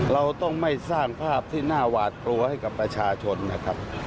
เราต้องไม่สร้างภาพที่น่าหวาดกลัวให้กับประชาชนนะครับ